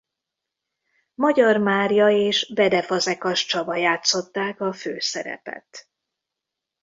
Magyar Mária és Bede-Fazekas Csaba játszották a főszerepet.